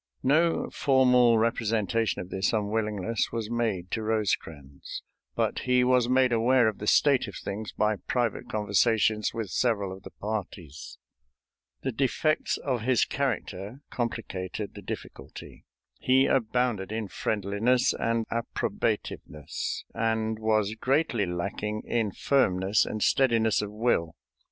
No formal representation of this unwillingness was made to Rosecrans, but he was made aware of the state of things by private conversations with several of the parties. The defects of his character complicated the difficulty. He abounded in friendliness and approbativeness, and was greatly lacking in firmness and steadiness of will.